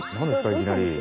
いきなり。